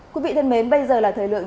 quý vị thân mến bây giờ là thời lượng